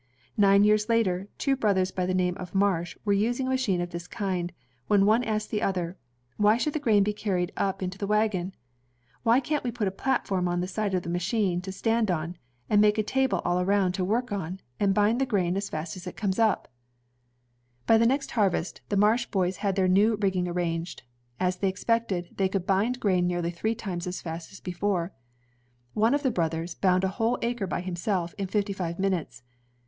Nine years later, two brothers by the name of Marsh were using a machine of this kind, when one asked the other, "Why should the grain be carried up to the wagon? Why can't we put a platform on the side of the machine to stand on, make a table all roimd to work on, and bind the grain as fast as it comes up?" 156 INVENTIONS OF MANUFACTURE AND PRODUCTION By the next harvest, the Marsh boys had their new rigging arranged. As they expected, they could bind grain nearly three times as fast as before. One of the brothers bound a whole acre by himself, in fifty five minutes.